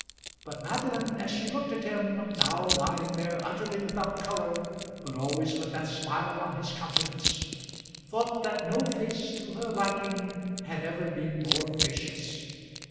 But Madeline, as she looked at him now lying there utterly without colour but always with that smile on his countenance, thought that no face to her liking had ever been more gracious.